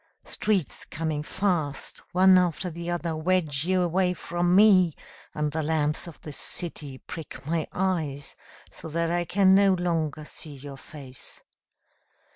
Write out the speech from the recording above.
Streets coming fast, One after the other, Wedge you away from me, And the lamps of the city prick my eyes So that I can no longer see your face.